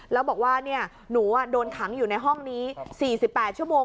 แล้วบอกว่าหนูโดนขังอยู่ในห้องนี้๔๘ชั่วโมง